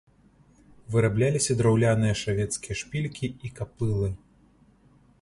Вырабляліся драўляныя шавецкія шпількі і капылы.